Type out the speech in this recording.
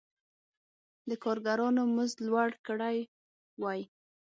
د کارګرانو مزد لوړ کړی وای.